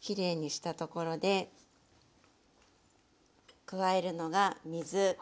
きれいにしたところで加えるのが水。